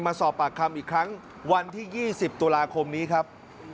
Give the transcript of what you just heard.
มาสอบปากคำอีกครั้งวันที่๒๐ตุลาคมนี้ครับ